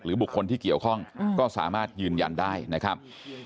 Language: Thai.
บุคคลที่เกี่ยวข้องก็สามารถยืนยันได้นะครับ